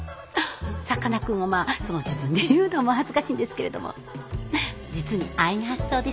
さかなクンをまあその自分で言うのも恥ずかしいんですけれども実に安易な発想です。